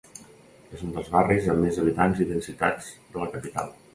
És un dels barris amb més habitants i densitat de la capital.